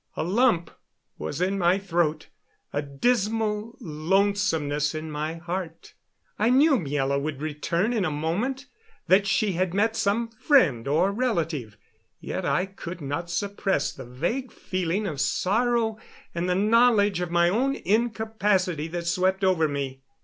A lump was in my throat, a dismal lonesomeness in my heart. I knew Miela would return in a moment that she had met some friend or relative yet I could not suppress the vague feeling of sorrow and the knowledge of my own incapacity that swept over me.